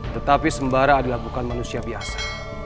tetapi sembara adalah bukan manusia biasa